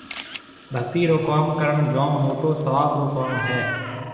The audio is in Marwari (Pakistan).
ڀگتِي رو ڪوم ڪرڻ جوم موٽو سواب رو ڪوم هيَ۔